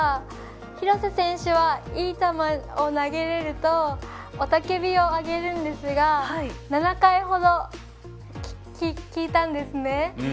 廣瀬選手はいい球を投げれると雄たけびを上げるんですが７回ほど聞いたんですね。